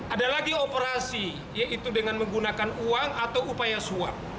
ada lagi operasi yaitu dengan menggunakan uang atau upaya suap